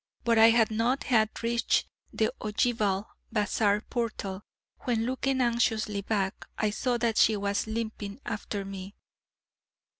But I had not half reached the ogival bazaar portal, when looking anxiously back, I saw that she was limping after me.